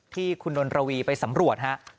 ที่คุณดนตรวีไปสำรวจ